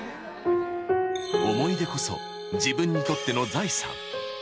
［思い出こそ自分にとっての財産］